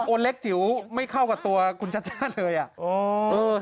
เล็กจิ๋วไม่เข้ากับตัวคุณชัชชาติเลยอ่ะ